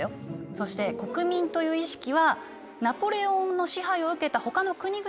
そして国民という意識はナポレオンの支配を受けたほかの国々でも生まれたんだな。